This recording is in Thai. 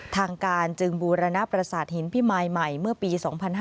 ทางการจึงบูรณประสาทหินพิมายใหม่เมื่อปี๒๕๕๙